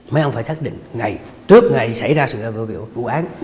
mấy ông phải xác định ngày trước ngày xảy ra sự vụ án